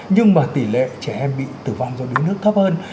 nhưng mà tỷ lệ trẻ em bị tử vong do đuối nước thấp hơn